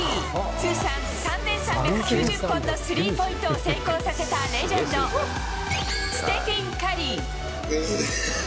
通算３３９０本のスリーポイントを成功させたレジェンド、ステフィン・カリー。